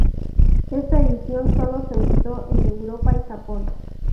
Esta edición sólo se editó en Europa y Japón.